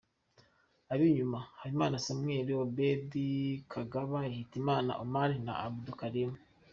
Ab’inyuma:Habimana Samuel, Obed Kagaba, Hitimana Omar na Abdoulkharim.